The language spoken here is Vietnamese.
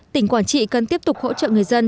tỉnh quảng trị cần tiếp tục hỗ trợ người dân